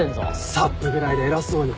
サップぐらいで偉そうに。